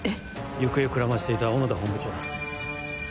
行方をくらましていた小野田本部長だ。